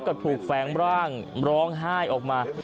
ก็ถูกแฝงร่างร้องไห้ออกมา